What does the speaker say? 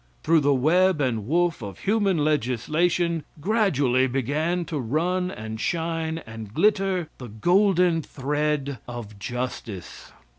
Through the web and woof of human legislation gradually began to run and shine and glitter the golden thread of justice.